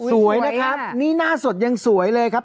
สวยนะครับนี่หน้าสดยังสวยเลยครับ